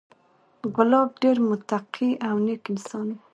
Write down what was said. کلاب ډېر متقي او نېک انسان و،